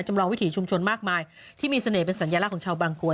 จำลองวิถีชุมชนมากมายที่มีเสน่หเป็นสัญลักษณ์ของชาวบางกรวย